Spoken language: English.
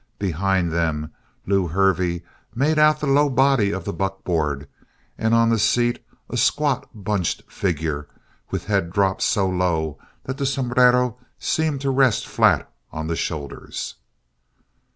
Behind them, Lew Hervey made out the low body of the buckboard and on the seat a squat, bunched figure with head dropped so low that the sombrero seemed to rest flat on the shoulders.